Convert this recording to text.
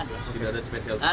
tidak ada spesial spesial